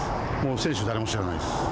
選手は誰も知らないです